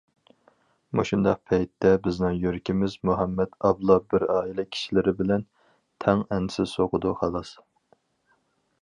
مۇشۇنداق پەيتتە بىزنىڭ يۈرىكىمىز مۇھەممەت ئابلا بىر ئائىلە كىشىلىرى بىلەن تەڭ ئەنسىز سوقىدۇ خالاس.